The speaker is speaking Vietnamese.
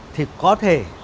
thì có thể